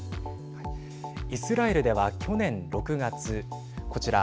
イスラエルでは、去年６月こちら。